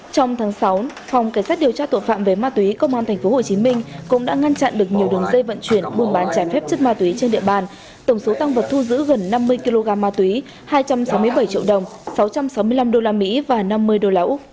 trong tháng sáu phòng cảnh sát điều tra tội phạm về ma túy công an tp hcm cũng đã ngăn chặn được nhiều đường dây vận chuyển buôn bán trái phép chất ma túy trên địa bàn tổng số tăng vật thu giữ gần năm mươi kg ma túy hai trăm sáu mươi bảy triệu đồng sáu trăm sáu mươi năm usd và năm mươi đô la úc